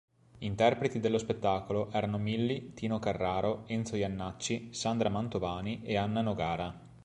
Interpreti dello spettacolo erano Milly, Tino Carraro, Enzo Jannacci, Sandra Mantovani e Anna Nogara.